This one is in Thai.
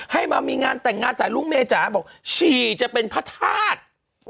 ให้มามีงานแต่งงานสายรุ้งเมจ๋าบอกฉี่จะเป็นพระธาตุ